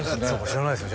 知らないですよ